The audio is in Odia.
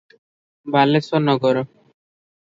ବାଲେଶ୍ବର ନଗର।